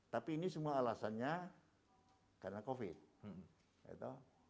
tapi ini semua alasannya karena covid